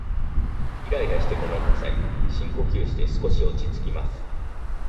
イライラしてごめんなさい、深呼吸して少し落ち着きます。